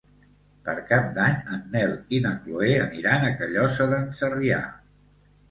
Per Cap d'Any en Nel i na Chloé aniran a Callosa d'en Sarrià.